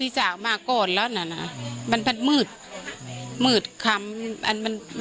ปกติพี่สาวเราเนี่ยครับเป็นคนเชี่ยวชาญในเส้นทางป่าทางนี้อยู่แล้วหรือเปล่าครับ